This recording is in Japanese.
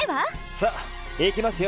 さあ行きますよ